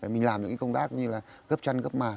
mình làm những công tác như gấp chăn gấp mặt